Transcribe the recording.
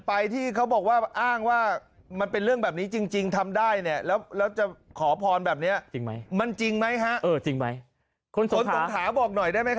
ไอ้ที่ก๊อฟอ่านไป